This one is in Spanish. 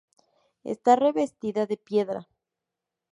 Está revestida de piedra.